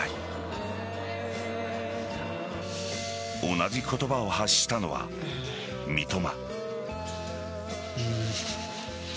同じ言葉を発したのは三笘。